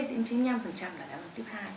chín mươi đến chín mươi năm là đáy áo đường tiếp hai